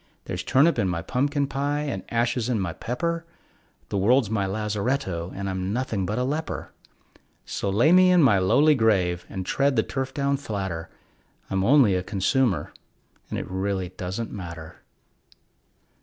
There's turnip in my pumpkin pie and ashes in my pepper, The world's my lazaretto, and I'm nothing but a leper; So lay me in my lonely grave and tread the turf down flatter, I'm only a consumer, and it really doesn't matter.